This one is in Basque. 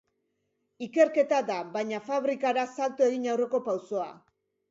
Ikerketa da, baina fabrikara salto egin aurreko pausoa.